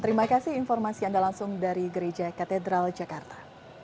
terima kasih informasi anda langsung dari gereja katedral jakarta